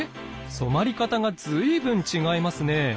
染まり方が随分違いますね。